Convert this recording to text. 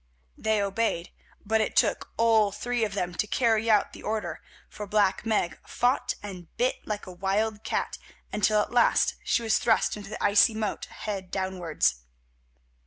They obeyed, but it took all three of them to carry out the order, for Black Meg fought and bit like a wild cat, until at last she was thrust into the icy moat head downwards.